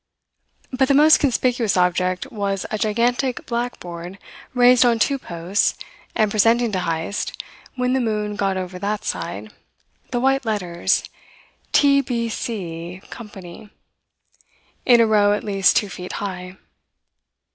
But the most conspicuous object was a gigantic blackboard raised on two posts and presenting to Heyst, when the moon got over that side, the white letters "T. B. C. Co." in a row at least two feet high.